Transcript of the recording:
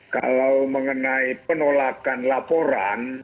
kalau mengenai penolakan laporan